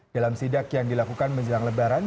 dalam sidak yang dilakukan menjelang lebaran